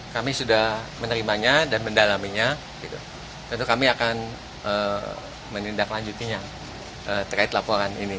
kami sudah menerimanya dan mendalaminya tentu kami akan menindaklanjutinya terkait laporan ini